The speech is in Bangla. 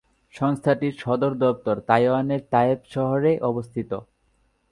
সংস্থাটির সদর দপ্তর তাইওয়ানের তাইপে শহরে অবস্থিত।